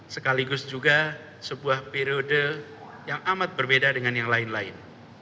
sekaligus juga sebuah periode yang amat berbeda dengan yang lain lain